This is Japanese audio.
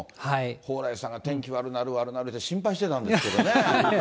蓬莱さんが天気悪なる悪なるって心配してたんですけどね。